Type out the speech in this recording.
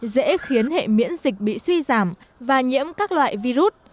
dễ khiến hệ miễn dịch bị suy giảm và nhiễm các loại virus